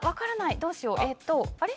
どうしようえーとあれ？